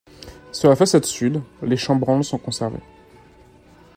Sur la façade sud, les chambranles sont conservés.